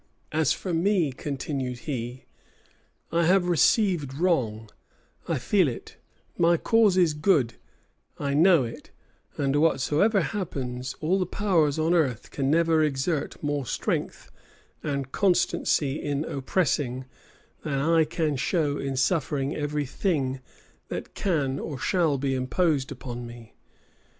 "As for me," continued he, "I have received wrong, I feel it: my cause is good, I know it; and whatsoever happens, all the powers on earth can never exert more strength and constancy in oppressing, than I can show in suffering every thing that can or shall be imposed upon me.